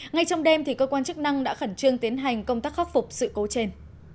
ngay trong đêm cơ quan chức năng đã khẩn trương tiến hành công tác khắc phục sự cố trên